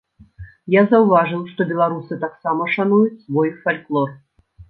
Я заўважыў, што беларусы таксама шануюць свой фальклор.